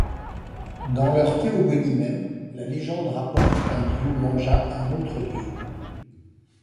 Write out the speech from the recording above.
Dans leur théogonie même, la légende rapporte qu’un dieu mangea un autre dieu.